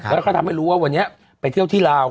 แล้วก็ทำให้รู้ว่าวันนี้ไปเที่ยวที่ลาว